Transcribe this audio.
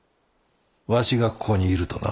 わしがここにいるとな。